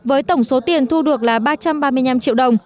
với tổng số tiền thu được là ba trăm ba mươi năm triệu đồng